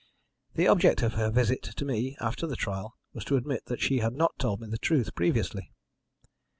The object of her visit to me after the trial was to admit that she had not told me the truth previously.